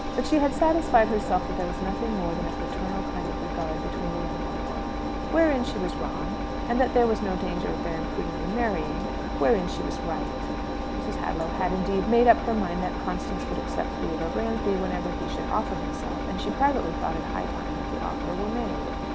But she had satisfied herself that there was nothing more than a fraternal kind of regard between the young people wherein she was wrong; and that there was no danger of their imprudently marrying wherein she was right. Mrs. Hadlow had, indeed, made up her mind that Constance would accept Theodore Bransby whenever he should offer himself; and she privately thought it high time that the offer were made.